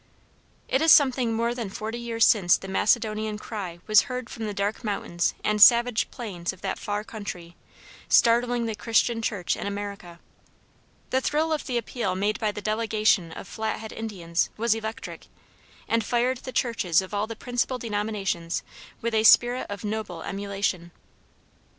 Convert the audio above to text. It is something more than forty years since the "Macedonian Cry" was heard from the dark mountains and savage plains of that far country, startling the Christian church in America. The thrill of the appeal made by the delegation of Flathead Indians, was electric, and fired the churches of all the principal denominations with a spirit of noble emulation. Dr.